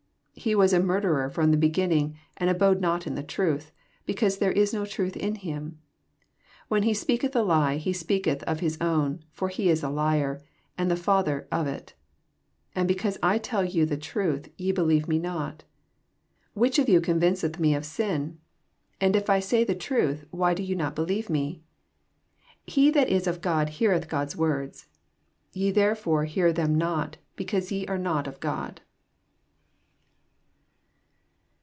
He was a murderer firom the begin ning, and abode not in the truth, be cause there is no truth in him. When he speaketh a lie, he qpeaketh of hie own: for he is a liar, and the father of it. 45 And because I tell jfov the truth, ye believe me not. 46 Which of you eonvineeth me of sin 7 And if I say the truth, why do ye not believe me 7 47 He that is of God heaieth God'a words: ye therefore hear ^^em not^ be eaose ye are not of God.